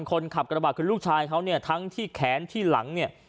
คนขับกระบาดคือลูกชายเขาเนี่ยทั้งที่แขนที่หลังเนี่ย